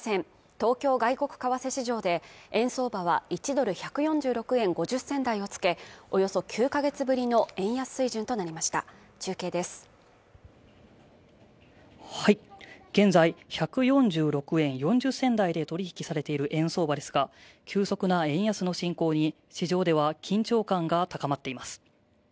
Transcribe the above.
東京外国為替市場で円相場は１ドル＝１４６円５０銭台をつけおよそ９カ月ぶりの円安水準となりました中継です現在１４６円４０銭台で取引されている円相場ですが急速な円安の進行に市場では緊張感が高まっています